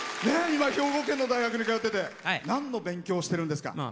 今兵庫県の大学に通ってて何の勉強をしてるんですか？